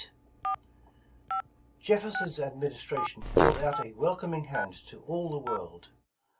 G8. JEFFERSON'S administration held out a welcom ing hand to all the world.